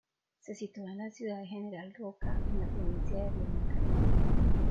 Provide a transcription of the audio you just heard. Se sitúa en la ciudad de General Roca, en la Provincia de Río Negro.